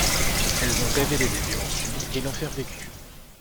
Elles ont révélé les violences subies et l’enfer vécu.